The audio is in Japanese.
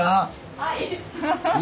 はい。